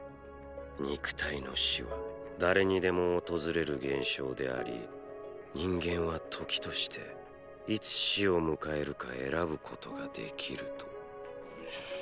肉体の死は誰にでも訪れる現象であり人間は時としていつ死を迎えるか選ぶことができると。